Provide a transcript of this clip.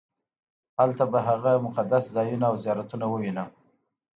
هلته به هغه مقدس ځایونه او زیارتونه ووېنم.